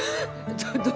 ちょっと何？